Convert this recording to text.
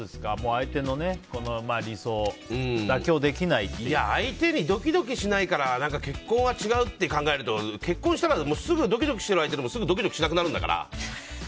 相手の理想相手にドキドキしないから結婚は違うって考えると結婚したらドキドキしてる相手でもドキドキしなくなるんだから。